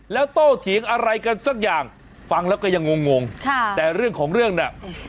แล้วโตเถียงอะไรกันสักอย่างฟังแล้วก็ยังงงงค่ะแต่เรื่องของเรื่องน่ะ